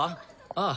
ああ。